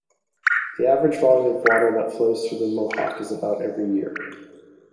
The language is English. The average volume of water that flows through the Mohawk is about every year.